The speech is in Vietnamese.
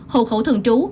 hồ khẩu thường trú